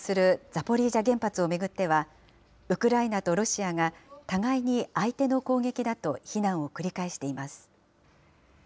ザポリージャ原発を巡っては、ウクライナとロシアが互いに相手の攻撃だと非難を繰り返しています。